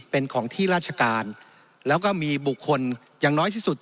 เป็นของที่ราชการแล้วก็มีบุคคลอย่างน้อยที่สุด